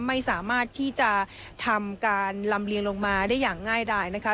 ไม่สามารถที่จะทำการลำเลียงลงมาได้อย่างง่ายดายนะคะ